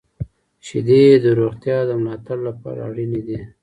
• شیدې د روغتیا د ملاتړ لپاره اړینې دي.